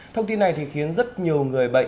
thông tin này khiến rất nhiều người bệnh